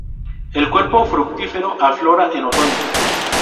El cuerpo fructífero aflora en otoño.